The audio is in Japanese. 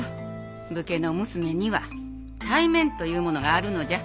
武家の娘には体面というものがあるのじゃ。